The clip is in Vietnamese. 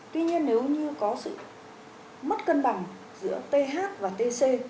tuy nhiên nếu như có sự mất cân bằng giữa th và tc